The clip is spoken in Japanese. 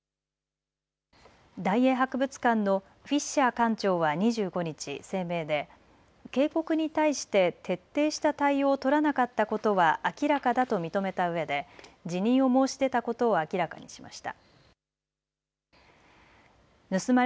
大英博物館のフィッシャー館長は２５日、声明で警告に対して徹底した対応を取らなかったことは明らかだと認めたうえで辞任を申し出たことを明らかにしました。